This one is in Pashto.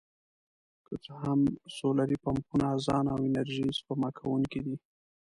که څه هم سولري پمپونه ارزانه او انرژي سپما کوونکي دي.